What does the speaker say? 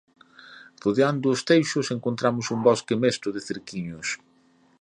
Rodeando os teixos encontramos un bosque mesto de cerquiños.